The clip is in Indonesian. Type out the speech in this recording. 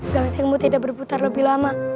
gasingmu tidak berputar lebih lama